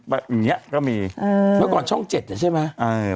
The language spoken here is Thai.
อย่างเงี้ยก็มีเมื่อก่อนช่องเจ็ดเนี่ยใช่ไหมเออ